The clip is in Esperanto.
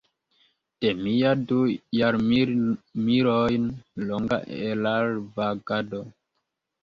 De mia du jarmilojn longa erarvagado.